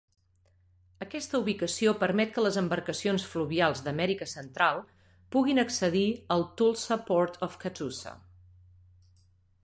Aquesta ubicació permet que les embarcacions fluvials d'Amèrica Central puguin accedir al Tulsa Port of Catoosa.